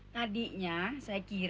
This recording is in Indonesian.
tadinya saya kira itu suaminya itu